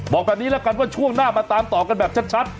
บอกแบบนี้แล้วกันว่าช่วงหน้ามาตามต่อกันแบบชัด